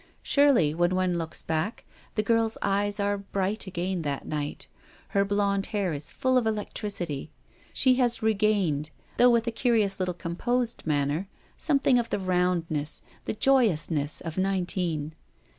Surely, when one looks back, the girl's eyes are bright again that night ; her blond hair is full of electricity; she has regained, though with a curious little com posed manner, something of the roundness, the joyousness, of nineteen.